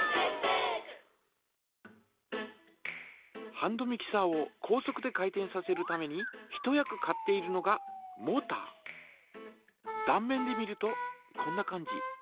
ハンドミキサーを高速で回転させるために一役買っているのがだん面で見るとこんな感じ。